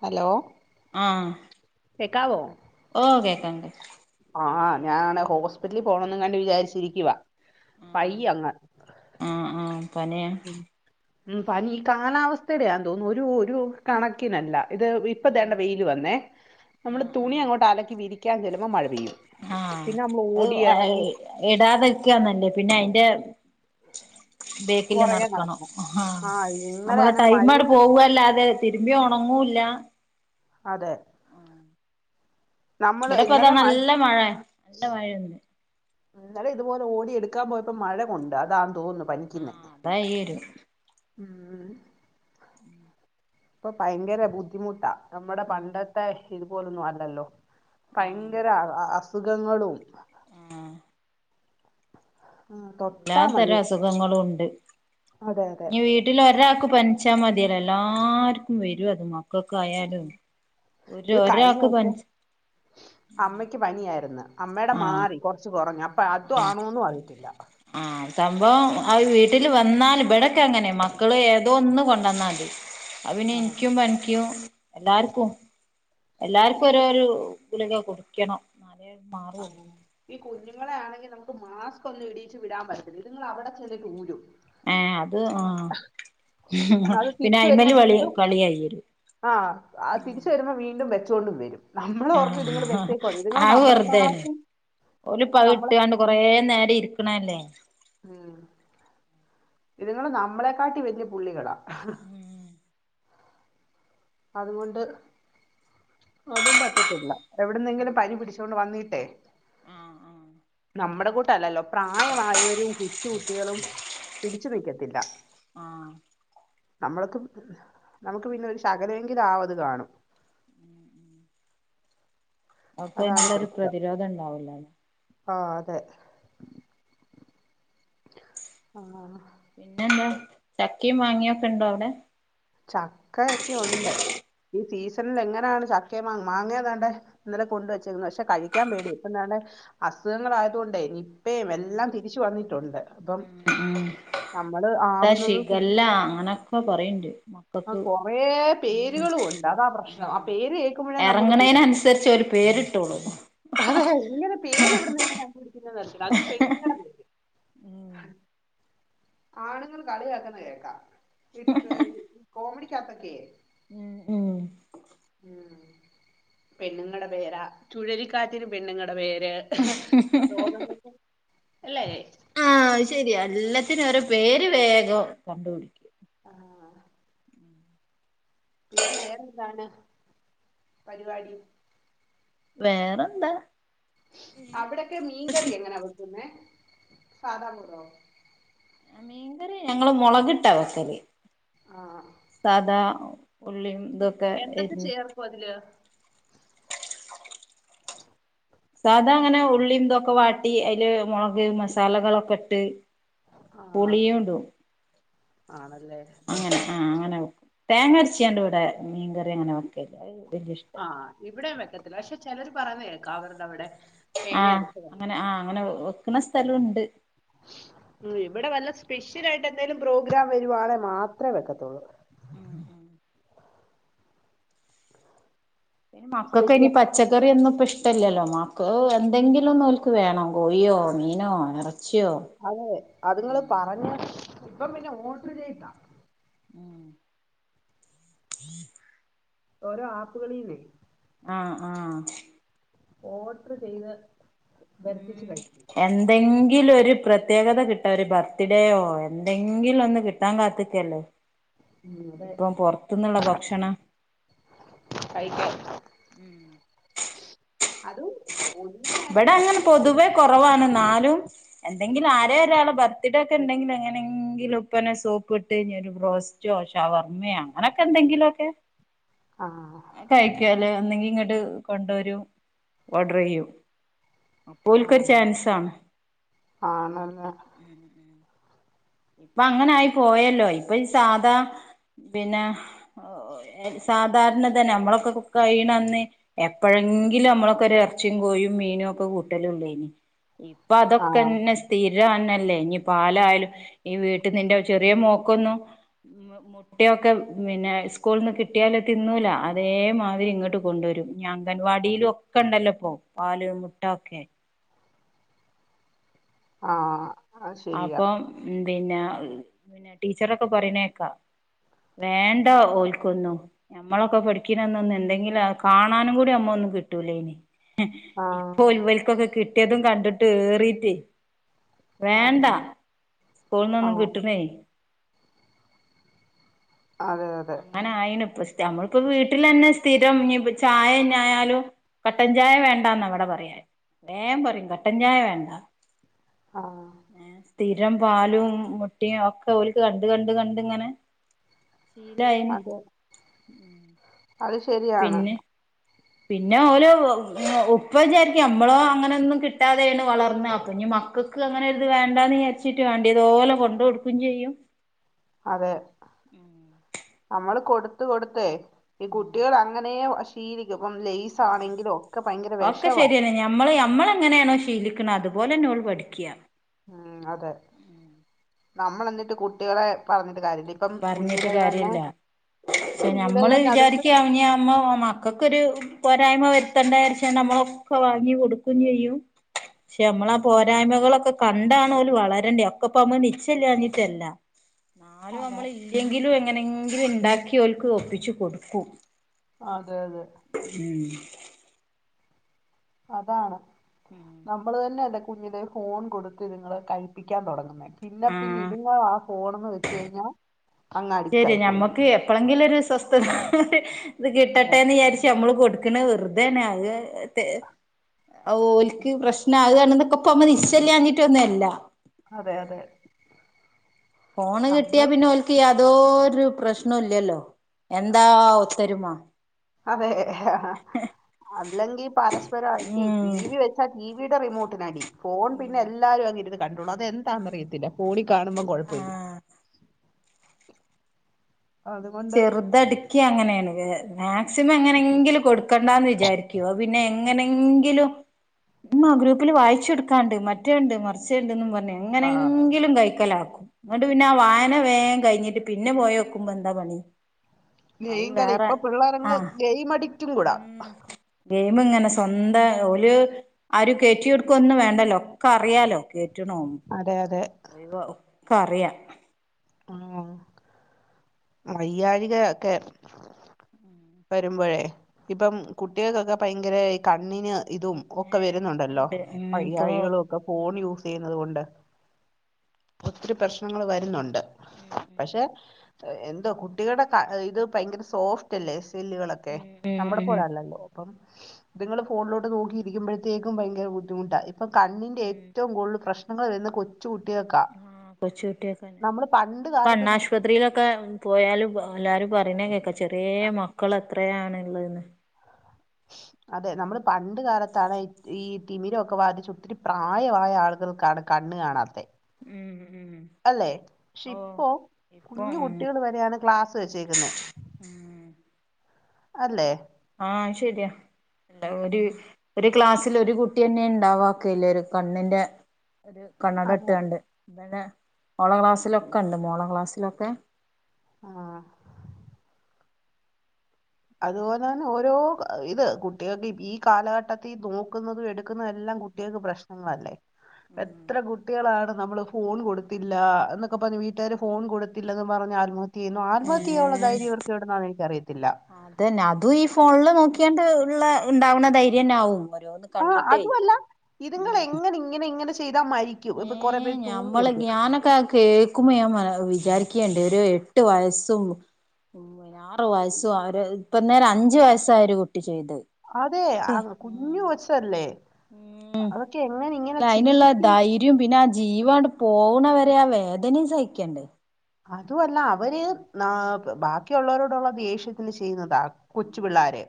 Hello ആഹ് കേക്കാവോ? ഓ കേക്കാം ആഹ് ഞാനാണേ ഹോസ്പിറ്റലിൽ പോണംന്ന് കണ്ട് വിചാരിച്ചിരിക്കുവാ വയ്യ അങ്ങ് ആഹ് ആഹ് പനിയാ? ഉ പനി ഈ കാലാവസ്ഥയുടെ യാൻ തോന്നുന്നു ഒരു ഒരു കണക്കിനല്ല ഇത് ഇപ്പൊ ഉം തേണ്ട വെയില് വന്നേ നമ്മള് ആഹ് തുണി അങ്ങോട്ട് അലക്കി വിരിക്ക ക്കാൻ ചെല്ലുമ്പോ മഴ പെയ്യും പിന്നെ നമ്മള് ഓടി ഇറങ്ങി ഇടാതെക്കന്നല്ലേ പിന്നെ അയിന്റെ ബേക്കില് നടക്കണം ആഹ് ഇന്നലെ നമ്മളെ അങ്ങനെ ടൈമ്മട് മഴയത്ത് പോവല്ലാതെ തിരുമ്പിയാ ഉണങ്ങൂല്ല അതെ നമ്മള് ഇവിടെ പ്പതാ ഇന്നലെ നല്ല മഴ നല്ല മഴയാന്ന് ഇന്നലെ ഇതുപോലെ ഓടി എടുക്കാൻ പോയപ്പോ മഴ കൊണ്ട് അതാന്ന് തോന്നുന്നു പനിക്കുന്ന ആഹ് അതാ ഈ ഒരു ഉം ഉം ഇപ്പൊ ഭയങ്കര ബുദ്ധിമുട്ടാ നമ്മുടെ ഉം പണ്ടത്തെ ഇതുപോലൊന്നും അല്ലല്ലോ ആഹ് ഭയങ്കര അ അസുഖങ്ങളും ആഹ് ആഹ് എല്ലാ തൊട്ടാ മതി തരം അസുഖങ്ങളും ഉണ്ട് അതെ അതെ ഞ്ഞി വീ വീട്ടില് രാൾക്ക് പനിച്ചാൽ മതിയല്ലോ എല്ലാർക്കും വരും അത് മാ ക്കൊക്കെ ആയാലും ഒരു ഇത് കഴിഞ്ഞ ഒരാൾക്ക് ദിവസം പനിച് അമ്മയ്ക്ക് പനിയായിരുന്നു അമ്മയുടെ ആഹ് മാറി കൊറച്ചു കുറഞ്ഞ് അ അത് ആണോന്നും അറിയത്തില്ല. ആഹ സംഭവം ആ വീട്ടില് വന്നാല് ബെടക്ക് അങ്ങനെ മക്കള് ഏതോ ഒന്ന് കൊണ്ടന്നാതി [inaudible] അയ് പിന്നെ ആഹ് ഇനിക്കും പനിക്കും എല്ലാർക്കും ഈ എല്ലാർക്കും കു രോരു ഗുളിക കുടിക്കണം. അതെ ആ ഈ കുഞ്ഞുങ്ങളെ ആണെങ്കിൽ നമുക്ക് മാസ്ക് ഒന്നും ഇടിയിച്ച് വിടാൻ പറ്റില്ല ഇതിങ്ങൾ അവിടെ ചന്നിട്ട് ഊരും. ഏ അത് ആ അത് പിന്നെ ഐമല് വളി കളി കളിയായിരും ആ തിരിച്ചു വരുമ്പം വീണ്ടും വെച്ചൊണ്ടും വരും നമ്മള ഓർക്കും ഇതുങ്ങള് ആഹ് വെച്ചേക്കുവാന്ന് ഇതുങ്ങള് അത് നമ്മളെ വെറുതെയാണ് കാട്ടിം ഓലിപ്പ അത് നമ്മളെ ഇട്ടുകാണ്ട് കൊറേ നേരം ഇരിക്കണല്ലേ ഉം ഇതുങ്ങള് നമ്മളെക്കാട്ടി വലിയ പുള്ളികളാ ഉം അതുകൊണ്ട് അതും പറ്റത്തില്ല എവിടന്നെങ്കിലും പനി പിടിച്ചോണ്ട് വന്നിട്ടേ ആഹ് ആഹ് നമ്മുടെ കൂട്ടല്ലല്ലോ പ്രായമായവരും കൊച്ചുകുട്ടികളും പിടിച്ചു നിക്കത്തില്ല ആഹ് നമ്മൾക്ക് നമൾക്ക് പിന്നെ ഒരു ശകലെങ്കിലും ആവത് കാണും. അതാണ് ഓക്കയ്ന്ള്ളൊരു പ്രശ്നം പ്രതിരോധം ഇണ്ടാവുല ആ അതെ ആഹ്. പിന്നെ എന്താ ചക്കിം മാങ്ങ്യാെക്കെ ഇണ്ടോ അവിടെ. ചക്കെക്ക്യുണ്ട്. ഈ സീസണില് എങ്ങനാണ് ചക്ക മാ മാങ്ങതാണ്ട്. ഇന്നലെ കൊണ്ട് വെച്ചിരുന്നു. പക്ഷെ കഴിക്കാൻ പേടി. ഇപ്പ ന [unintelligible] അസുഖങ്ങളായത് കൊണ്ടെ നിപ്പെം ഉം എല്ലാം തിരിച്ചു വന്നിട്ടുണ്ട് അപ്പം. ഉം നമ്മള് ആവുന്നതും [unintelligible] ഇല്ല അങ്ങനെ ക്കെ പറിണ്ട്. കുറേ പേരുകളും [unintelligible] ക്ക് ഉണ്ട് അതാ പ്രശ്നം ആ പേര് കേൾക്കുമ്പോഴേ നമുക്ക് പേടി എറങ്ങണേനൻസരിച്ച് ഓല് പേര് ഇട്ട് [unintelligible] ഇട്ടോള്ള്. അതെ ഇങ്ങനെ പേര് എവിട്ന്ന [unintelligible] കണ്ടുപിടിക്കുന്ന അതും പെണ്ണുങ്ങളുടെ പേര്. ഉം ആണുങ്ങൾ കളിയാക്കുന്നത് കേൾക്ക. കോമഡിക്ക്യത്തൊക്കെ. ഉം. ഉം പെണ്ണുങ്ങടെ പേരാ. ചുഴലിക്കാറ്റിന് പെണ്ണുങ്ങളുടെ പേര്. രോഗങ്ങക്കും അല്ലേയ്. ആഹ് ശെര്യ എല്ലത്തിനും ഓരോ പേര് വേഗം. ആഹ് പിന്നെ വേറെന്താണ്. പരിപാടി വേറെന്താ അവിടൊക്കെ മീൻകറി എങ്ങനാ വെക്കുന്നെ സാദാമുറോ. മീങ്കറി ഞങ്ങള് മൊളകിട്ടാ വെക്കല് ആ സാധാ - - ഉള്ളിം ഇതൊക് എന്തൊക്കെ ചേർക്കും അതില്. സാധാ അങ്ങനെ ഉള്ളി ഇന്തൊക്കെ വാട്ടി അയ്ല് മൊളക് മസാലകളൊക്കെ ഇട്ട്. ആഹ് പുളിയും ഇടും ആണല്ലെ. അങ്ങനെ. ആ അങ്ങനെ തേങ്ങ അരച്ചാണ്ട് ഇവെടെ മീൻകറി അങ്ങനെ വെക്കല്ല. അ വല്യ ഇഷ്ടം ആ ഇവിടെയും വെക്കത്തില്ല. പക്ഷെ ചെലർ പറയുന്ന കേക്കാം അവരുടെ അവിടെ തേങ്ങ ആഹ് അരച്ച് കറി അങ്ങനെ ആ അങ്ങനെ വെക്ക്ണ സ്ഥലും ഇണ്ട്. ഉം ഇവിടെ വല്ല സ്പെഷ്യല് ആയിട്ട് എന്തേലും പ്രോഗ്രാം വരുവാണെ മാത്രെ വെക്കത്തൊള്ളൂ. ഉം ഉം മക്കക്ക് സ്പെഷ്യൽ അയ്നി പച്ച പ പച്ചക്കറ്യാെന്നും ഇപ്പം ഇഷ്ടല്ലല്ലോ. മാക്ക് ഓ. എന്തെങ്കിലൊന്ന് ഓൽക്ക് വേണം കോഴിയോ, മീനോ, ഇറച്യാെ [unintelligible] ഉം ഓരോ ആപ്പുകളീന്നെ ആഹ് ആഹ് ഓർഡർ ചെയ്ത് വരുത്തിച്ച് ഉം കഴും - - എന്തെങ്കിലും ഒരു പ്രത്യേകത കിട്ടാ ഒരു ബർത്ത്ഡേയോ എന്തെങ്കിലും ഒന്ന് കിട്ടാൻ കാത്തിക്കല്ലെ. ഉം, അതെ ഇപ്പം പൊറത്ത്ന്ന്ള്ള ഭക്ഷണം കയിക്ക ഉം അതും ഇവടെ അങ്ങനെ പൊതുവെ കൊറവാണ് ന്നാലും എന്തങ്കിലും ആരെ ഒരാള് ബർത്ത്ഡെക്കെ ഇണ്ടെങ്കിൽ അങ്ങനെങ്കിലും ഇപ്പനെ സോപ്പ് ഇട്ട് ഞെരു ബ്രോസ് ജോ ശവർമ്മയ അതൊക്കെന്തെങ്കിലു ഒക്കെ ആഹ് കയിക്കാല് ഒന്നെങ്കി ഇങ്ങോട്ട് കൊണ്ടുവരും ഓഡർ എയ്യും ഓൽക്കൊരു ചാൻസാണ് ആണല്ലേ ഇപ്പ അങ്ങനായി പോയല്ലോ ഇപ്പൊ ഈ സാധാ പിന്നെ സാധാരണ തന്നെ അമ്മളൊക്ക് കുക്ക് കയണന്നെ എപ്പോഴെങ്കിലു അമ്മളൊക്കെ ഒരു എറച്ചിയും കോഴിയും മീനും ഒക്കെ കൂട്ടലൊള്ളേയ്നിം ഇപ്പൊ ആ അതൊക്കെന്നെ സ്ഥിരന്നല്ലേ ഇനി പാലായലും ഈ വീട്ടി നിന്റെ ചെറിയ മോക്കൊന്നും മോ മോൾക്ക് കുട്ടിയോക്ക് മിന്നെ സ്കൂളിൽന്ന് കിട്ടിയാല് തിന്നൂല അതേമാതിരി ഇങ്ങോട്ട് കൊണ്ടുവരും ഞ അങ്കൻവാടിലും ഒക്കെ ഒക്കെണ്ടല്ലോ പ്പോ പാല് മുട്ട ഒക്കെ ആഹ് അപ്പോം പിന്നാആ് പിന്നെ ടീച്ചറൊക്കെ പറയണേക്കാം വേണ്ട ഓൽക്കൊന്നും ഞമ്മളൊക്കെ പഠിക്കണന്നൊന്നന്ന് എന്തെങ്കിലും ആക്ക് കാണാനും കൂടി അമ്മൊ ഒന്നും കിട്ടൂലായിനിം ആ ഇപ്പൊ ഇവർക്കൊക്കെ കിട്ടിയതും കണ്ടിട്ട് ഏറീറ്റെ വേണ്ട അതെ ആ സ്കൂളിന്നൊന്നും കിട്ടുണേ അതെ അതെ ആഹ് അയിനിപ്പഷ്ടാ നമ്മളിപ്പോ വീട്ടിലന്നെ സ്ഥിരം ഇഞ് പ്പ ചായന്നെ ആയാലും കട്ടൻ ചായ വേണ്ടാന്ന ഇവിടെ പറയാൻ വേം പറയും കട്ടൻ ചായ വേണ്ട ആഹ് ഏഹ് സ്ഥിരം പാലും മുട്ടയും ഓക്കെ ഓല്ക്ക് കണ്ട് കണ്ട് കണ്ട് ഇങ്ങനെ ശീലായന് അതെ അത് ശരിയാണ് പിന്നെ പിന്നെ ഓരോ ങ്ങ്‌ ഉപ്പ വിചാരിക്കും അമ്മളോ അങ്ങനൊന്നും കിട്ടാതെയാണ് വളർന്നെ അപ്പൊ ഇനി മക്ക ക്ക് അങ്ങനെ ഇത് വേണ്ടന്ന് വിചാച്ചിട്ട് വേണ്ടേത് ഓല കൊണ്ട് കൊടുക്കും ചെയ്യും അതെ [unintelligible] നമ്മള് കൊടുത്ത് കൊടുത്തെ ഈ ഉം കുട്ടിയോള് അങ്ങനെ വ ശീലി യൊപ്പം ലേസ് ആണെങ്കിലു ഒക്കെ ഭയങ്കര വിഷവാ മ്മള് യമ്മള് എങ്ങനെയാണോ ശീലിക്കണെ അതുപോലന്നെ ഓൾ പഠിക്കിയ ഉം അതെ നമ്മളെന്നിട്ട് കുട്ടികളെ പറഞ്ഞിട്ട് കാര്യമില്ല ഇപ്പം പറഞ്ഞിട്ട് കുഞ്ഞിലെ തന്നെ കാര്യല്ല കുഞ്ഞിലെ ഞമ്മള് തന്നെ അതുങ്ങൾക്ക് വിചാരിക്ക ഇനി അമ്മ മക് ക്കൊക്കൊരു പോരായ്മ വരുത്തണ്ടാരിച്ച് നമ്മളൊക്കെ വാങ്ങി കൊടുക്കും ചെയ്യും ക്ഷെ നമ്മളാ പോരായ്മകളൊക്കെ കണ്ടാണോല് വളരണ്ടെ അക്കപ്പ ഞമ്മക്ക് നിശ്ചയ ഇല്ലാഞ്ഞിട്ടല്ല ന്നാലും അതെ ഇല്ലെങ്കിലു എങ്ങനെങ്കിലും ഇണ്ടാക്കി ഓൽക്ക് ഒപ്പിച്ച് കൊടുക്കും അതെ അതെ ഉം അതാണ് ഉം നമ്മള് തന്നെ അല്ലെ കുഞ്ഞിലെ ഫോൺ കൊടുത്ത് ഇതിങ്ങളെ കഴിപ്പിക്കാൻ തൊടങ്ങുന്നെ പിന്ന പിന്നെ ആഹ് ഇതുങ്ങളാ ആ ഫോണൊന്ന് വെച്ച് കയിഞ്ഞാ അയ് ശെരിയാ ഞമ്മക്ക് എപ്പളെങ്കിലും ഒരു സ്വസ്ഥത ഇത് അതെ കിട്ടട്ടേന്ന് വിചാരിച് ച്ച് അമ്മള് കൊടുക്ക്ണത് വെറുതേണ് അത് തെ അത് ഓൽക്ക് പ്രശ്നാകന്നത് ഇപ്പൊ അതിമ്മെ നിശ്ചല്ലാഞ്ഞിട്ട് ഒന്നു അല്ല അതെ അതെ ഫോണ് കിട്ടിയാ നമ്മൾ പിന്നെ ഓൽക്ക് യാതോരു പ്രശ്ണൊല്ലല്ലോ. എന്താ ഒത്തൊരുമ അതെ. അല്ലെങ്കി പരസ്പരം അടി ടി ഉം വി വെച്ചാ ടീ വീ ടെ റിമോട്ടിനടി. ഫോൺ പിന്നെ എല്ലാരും അങ്ങിരുന്ന് കണ്ടോളും അതെന്താന്നറിയത്തില്ല. ഫോണിക്കാണുമ്പോ കൊഴപ്പവില്ല. ആഹ് അയിന് ചെറുതടി ക്ക്യ അങ്ങനേണ് മാക്സിമം എങ്ങനെങ്കിലും കൊടുക്കണ്ടാന്ന് വിചാരിക്കു അത് പിന്നെ എങ്ങനെങ്കിലും ഉമ്മ ഗ്രൂപ്പില് വായിച്ചു കൊടുക്കാണ്ട് മറ്റേണ്ട് മർച്ചേണ്ട്ന്ന് പർഞ്ഞ്, ആ എങ്ങനെങ്കിലും കഴിക്കലാകും ഇന്ന‌ട്ട് പിന്നെ ആ വായന വേം കഴിഞ്ഞിട്ട് പിന്നെ പോയോക്കു മ്പൊ എന്ത‌ പണി അത് ഗെയിം കളി വേറെ ഇപ്പൊ പിള്ളേരങ് ആഹ് ഗെയിം അഡിക്റ്റും കൂടാ. ഗെയിമ്ങ്ങനെ സ്വന്ത ഓല് ആരും കേറ്റിയൊടുക്കൊന്നും വേണ്ടല്ലോ ഒക്കെ അറിയാലോ കേറ്റ്ണവും അതെ അതെ. ഒയിവാകും, ഒക്കെ അറിയാം, ആഹ് വയ്യാഴ്ക ഒക്കെ വരുമ്പഴേ ഇപ്പം കുട്ടികക്കൊക്കെ ഭയങ്കര ഇ കണ്ണിന് ഇതും ഒക്കെ ഏഹ് വരുന്നുണ്ടല്ലോ ഒക്കെണ്ട് ഉം ഇപ്പൊ വയ്യാഴികളും ഒക്ക ഫോൺ ഉം യൂസ് ചെയ്യുന്നത് കൊണ്ട് ഒത്തിരി പ്രശ്നങ്ങൾ വരുന്നുണ്ട്. പക്ഷെ എന്തോ കുട്ടികളുടെ ക ഇത് ഭയങ്കര സോഫ്റ്റ് അല്ലേ സെല്ലുകളൊ ക്കെ നമ്മുടെ ഉം ഉം പോലല്ലല്ലോ? ഇപ്പം ഇത്ങ്ങള് ഫോണിലോട്ട് നോക്കിയിരിക്കുമ്പഴത്തേക്കും ഭയങ്കര ബുദ്ധിമുട്ടാ ഇ പ്പൊ കണ്ണിന്റെ ഉം എറ്റവും കൂടുതല് പ്രശ്നങ്ങൾ വരുന്നെ കൊച്ചുകുട്ടികക്കാ ആഹ് കൊച്ചു കുട്ടിയാക്കെന്നെ ഇപ്പൊ കാലത്ത് നോക്കും കണ്ണാശുപത്രിയിലൊക്കെ പോയാലും എല്ലാരും പറയ്ണെ കേക്കാ ചെറീയെ മക്കൾ എത്രയാണ് ഇള്ളതെന്ന്, അതെ നമ്മള് പണ്ട് കാലത്താണെ ഈ തിമിരൊക്കെ ബാധിച്ച് ഒത്തിരി പ്രായമായ ആളുകൾക്കാണ് കണ്ണ് കാണാത്തെ ഉം ഉം അല്ലെ പക്ഷെ ഓഹ് ഇപ്പോ ഇപ്പൊ കുഞ്ഞു ഉം കുട്ടികൾ വരെയാണ് ക്ലാസ് വെച്ചേക്കുന്നെ. ഉം അല്ലേ? ആഹ് അത് ശെരിയാ എന്താ ഒര് ഒരു ക്ലാസ്സിൽ ഒരു കുട്ടിയെന്നെ ഇണ്ടാവാക്കല്ല ഒരു കണ്ണിന്റെ ഒരു കണ്ണട അതെ അതെ ഇട്ട്കാണ്ട് [unintelligible] ഓളെ ക്ലാസ്സിലൊക്കെ ഇണ്ട് മോളെ ക്ലാസ്സിലൊക്കെ ആഹ്. അതുപോലെ തന്നെ ഓരോ ക- ഇത് കുട്ടികക്ക് ഈ കാലഘട്ടത്തി നോക്കുന്നതും എടുക്കുന്നതും എല്ലം കുട്ടികക്ക് പ്രശ്നങ്ങളല്ലേ. ഉം എത്ര കുട്ടികളാണ് നമ്മള് ഫോൺ കൊടുത്തില്ല, എന്നൊക്കെ പറഞ്ഞഞ് വീട്ടുകാര് ഫോൺ കൊടുത്തില്ലെന്ന് പറഞ്ഞ് ആത്മ യ്യുന്നു ആത്മഹത്യചെയ്യാൻള്ള ധൈര്യവർക്കെവിടുന്നാന്ന് എനിക്കറിയത്തില്ല അതന്നെ അതും ഈ ഫോണിൽ നോക്കിയണ്ട് ഉള്ള ഉണ്ടാവുന്ന ധൈര്യ തന്ന ആവും ഓരോ ആഹ് അതുവല്ല ഇതുങ്ങള് എങ്ങനെ ഇങ്ങനെ ഇങ്ങനെ ചെയ്താ മരി ഏഹ് ഞമ്മള് ഞാനൊക്ക കേക്കുമ്പോ ഞാൻ വിചാരിക്കണ്ട് ഒരു എട്ട് വയസ്സും ആറു വയസ്സും അവര് ഇപ്പ നേരം അഞ്ചു വയസ്സായ ഒരു കുട്ടി ചെയ്ത് അതെ ഓക്കെ കുഞ്ഞു കൊച്ചല്ലേ ഉം അതൊക്കെ എങ്ങനെ ഇങ്ങനെ ചിന്തിക്കുന്ന്‌ യും പിന്നെ ആ ജീവാണ്ട് പോവണവരെ ആ വേദനയും സഹിക്കണ്ടേ അതുവല്ല അവര് ഉം ന ബാക്കിയുള്ളവരോടുള്ള ദേഷ്യത്തിൽ ചെയ്യുന്നത കൊച്ചു ഉം പിള്ളേര്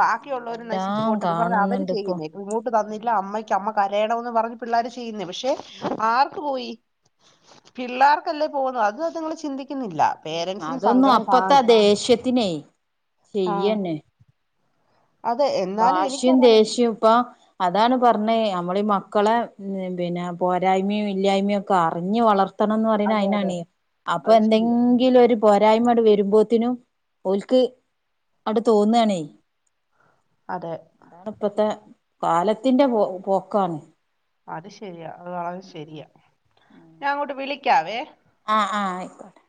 ബാക്കിയുള്ളവര് നശിച്ചു എന്തെല്ലാം പോട്ടന്ന്പറഞ്ഞ് അവര് കാണുന്നുണ്ട് ഇപ്പൊ ചെയ്യുന്നേ ഇങ്ങോട്ട് തന്നില്ല അമ്മയ്ക്ക് അമ്മ കരയണന്ന് പറഞ്ഞ് പിള്ളോര് ചെയ്യേ പക്ഷെ ഉം ആർക്ക് പോയി പിള്ളേർക്കല്ലേ പോന്നു അത്ത് നിങ്ങൾ ചിന്തിക്കുന്നില്ല ഉം പേരൻസിന് അതൊന്നും സങ്കടം അപ്പത്താ കാണും ദേഷ്യത്തിനേ ആ ചെയ്യന്നെ അതെ എന്നാലും വാഷും എനിക്കതാ മനസ്സിലായത് ദേഷ്യം ഇപ്പൊ അതാണ് പറഞ്ഞത് നമ്മളീഈ മക്കളെ പിന്നെ പോരായ്മയും ഇല്ലായ്മയും ഒക്കെ അറിഞ് വളർ ത്തണംന്ന് പറയ്ണെ അതെ അതെ അയിനാണ് അപ്പൊ അത് എന്തെങ്കി ശരിയാ എന്തെങ്കിലും ഒരു പോരായ്മ അട് വരുമ്പോത്തിനും ഓൽക്ക് അടെ തോന്നണേ അതെ ണ ഇപ്പഴത്തെ കാലത്തിന്റെ പോ പോക്കാണ് അത് ശരിയാ അത് വളത് ശരിയാ ഞാൻ അങ്ങോട്ട് വിളിക്കാവേ ആഹ് ആഹ് ആയിക്കോട്ടെ